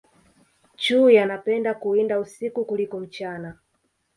chui anapenda kuwinda usiku kuliko mchana